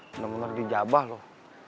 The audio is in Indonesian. bener bener dijabah loh